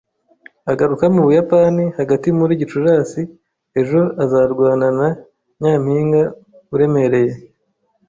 Azagaruka mu Buyapani hagati muri Gicurasi Ejo azarwana na nyampinga uremereye